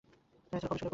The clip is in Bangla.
সে ছিল খুব সুন্দর।